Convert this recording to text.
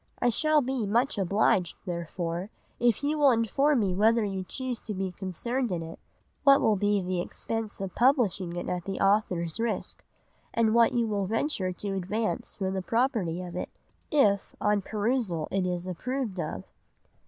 I shall be much obliged therefore if you will inform me whether you choose to be concerned in it, what will be the expense of publishing it at the author's risk, and what you will venture to advance for the property of it, if on perusal it is approved of.